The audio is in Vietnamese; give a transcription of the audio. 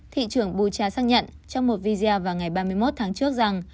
thị trưởng bucha xác nhận trong một video vào ngày ba mươi một tháng trước rằng